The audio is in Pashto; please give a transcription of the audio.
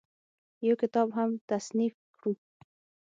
يو کتاب هم تصنيف کړو